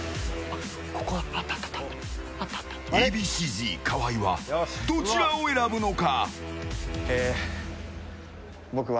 Ａ．Ｂ．Ｃ‐Ｚ河合はどちらを選ぶのか？